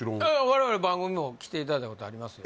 我々番組も来ていただいたことあります